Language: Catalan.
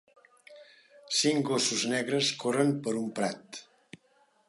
Cinc gossos negres corren per un prat.